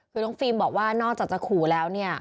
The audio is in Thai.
คือน้องฟิล์มบอกว่านอกจากจะขู่แล้วเนี่ย